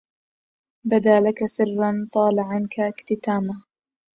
بدا لك سر طال عنك اكتتامه